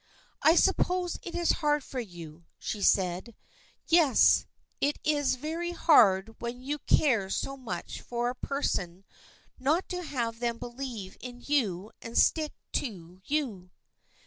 " I suppose it is hard for you," she said. " Yes, it is very hard when you care so much for a per son not to have them believe in you and stick to you."